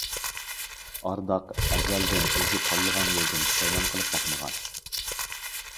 ئارداق ئەزەلدىن ئۆزى تاللىغان يولدىن پۇشايمان قىلىپ باقمىغانىدى.